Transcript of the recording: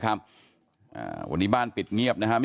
บ้านของวันนี้ปิดเงียบนะคะ